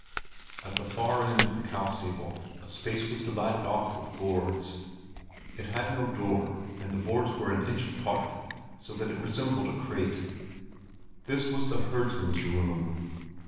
At the far end of the cow stable a space was divided off with boards. It had no door, and the boards were an inch apart, so that it resembled a crate. This was the herdsman's room.